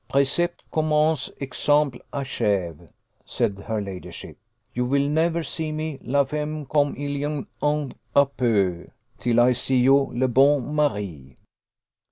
"Précepte commence, exemple achève," said her ladyship. "You will never see me la femme comme il y en a peu, till I see you le bon mari.